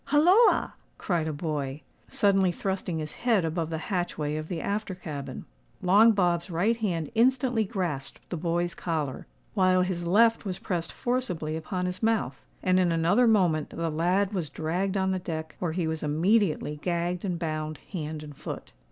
"Holloa!" cried a boy, suddenly thrusting his head above the hatchway of the after cabin. Long Bob's right hand instantly grasped the boy's collar, while his left was pressed forcibly upon his mouth; and in another moment the lad was dragged on the deck, where he was immediately gagged and bound hand and foot.